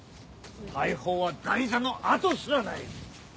大砲は台座の跡すらない。